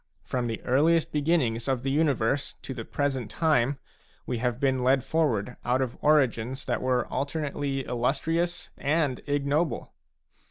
From the earliest beginnings of the universe to the present time, we have been led forward out of origins that were ^ alternately illustrious and ignoble.